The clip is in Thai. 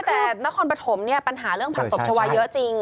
แต่นครปฐมเนี่ยปัญหาเรื่องผักตบชาวาเยอะจริง